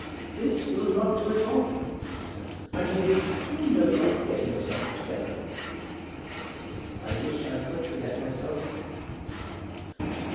"This will not do at all," she said. "My dear, do you know that you are forgetting yourself altogether?" "I wish I could forget myself."